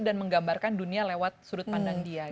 dan menggambarkan dunia lewat sudut pandang dia gitu